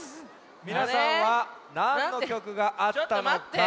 みなさんはなんのきょくがあったのか